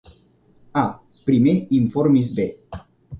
A: Primer informi’s bé.